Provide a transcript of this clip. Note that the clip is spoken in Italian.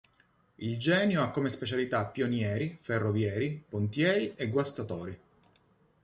Il Genio ha come specialità Pionieri, Ferrovieri, Pontieri e Guastatori.